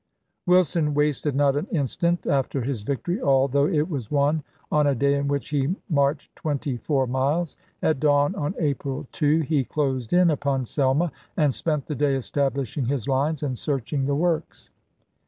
Wilson wasted not an instant after his victory, although it was won on a day in which he marched twenty 1865. four miles ; at dawn on April 2 he closed in upon Selma and spent the day establishing his lines and searching the works.